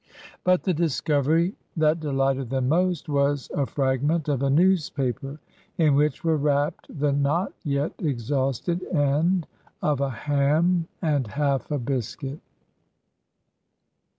But the discovery that delighted them most was a fragment of a newspaper in which were wrapped the not yet exhausted end of a ham, and half a biscuit!